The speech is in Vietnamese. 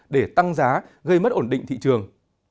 để tăng giá gây mất ổn định thị trường